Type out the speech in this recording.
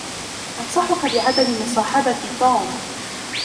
أنصحك بعدم مصاحبة توم.